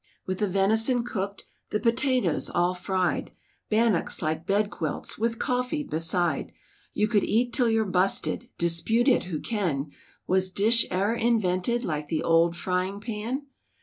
With the venison cooked, the potatoes all fried, Bannocks like bed quilts, with coffee beside, You could eat till you busted, dispute it who can; Was dish e'er invented like the old frying pan?